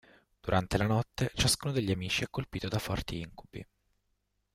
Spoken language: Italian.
Durante la notte, ciascuno degli amici è colpito da forti incubi.